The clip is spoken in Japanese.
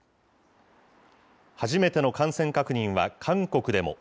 初めての感染確認は韓国でも。